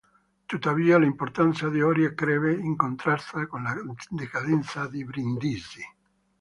Tuttavia l'importanza di Oria crebbe, in contrasto con la decadenza di Brindisi.